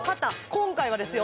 今回はですよ